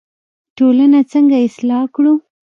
ټولنه څنګه اصلاح کړو؟